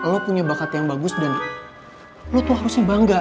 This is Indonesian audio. lo punya bakat yang bagus dan lo tuh harusnya bangga